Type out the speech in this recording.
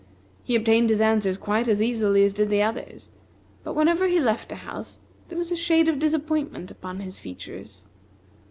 He obtained his answers quite as easily as did the others, but whenever he left a house there was a shade of disappointment upon his features.